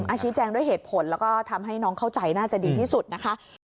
ชี้แจงด้วยเหตุผลแล้วก็ทำให้น้องเข้าใจน่าจะดีที่สุดนะคะ